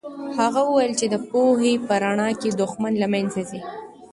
هغه وویل چې د پوهې په رڼا کې دښمني له منځه ځي.